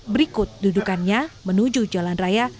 berikut dudukannya menuju jalan raya